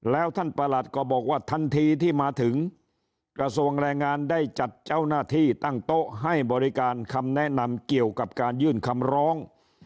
แล้วท่านประหลัดก็บอกว่าทันทีที่มาถึงกระทรวงแรงงานได้จัดเจ้าหน้าที่ตั้งโต๊ะให้บริการคำแนะนำเกี่ยวกับการยื่นคำร้อง